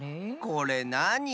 これなに？